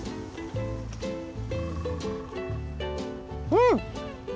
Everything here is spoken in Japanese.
うん！